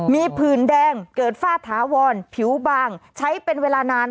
มีผื่นแดงเกิดฝ้าถาวรผิวบางใช้เป็นเวลานาน